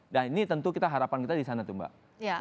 nah ini tentu kita harapan kita di sana tuh mbak